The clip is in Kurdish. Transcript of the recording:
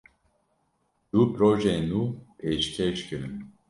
Du projeyên nû pêşkêş kirin.